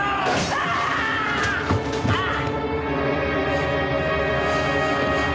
あっ！